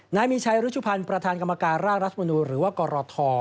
นายมีชัยรุชุพันธ์ประธานกรรมการร่างรัฐมนูลหรือว่ากรท